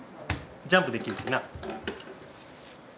ジャンプできるしな。